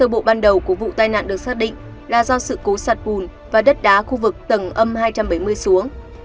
bộ ban đầu của vụ tai nạn được xác định là do sự cố sạt bùn và đất đá khu vực tầng âm hai trăm bảy mươi xuống